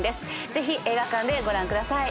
ぜひ映画館でご覧ください。